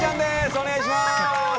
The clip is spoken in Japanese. お願いします！